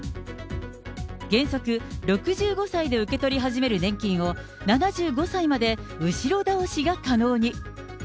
原則、６５歳で受け取り始める年金を、７５歳まで後ろ倒しが可能に。